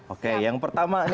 oke yang pertama ini